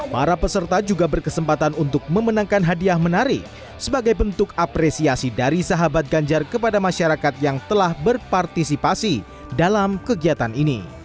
para peserta juga berkesempatan untuk memenangkan hadiah menari sebagai bentuk apresiasi dari sahabat ganjar kepada masyarakat yang telah berpartisipasi dalam kegiatan ini